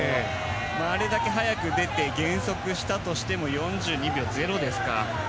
あれだけ早く出て減速したとしても４２秒０ですから。